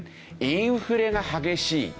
インフレが激しい。